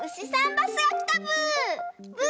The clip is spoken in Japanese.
バスがきたブー！